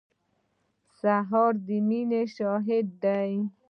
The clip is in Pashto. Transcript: سهار د مینې شاهد دی.